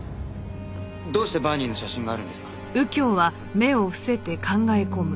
どうしてバーニーの写真があるんですか？